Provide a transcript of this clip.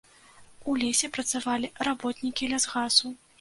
У лесе працавалі работнікі лясгасу.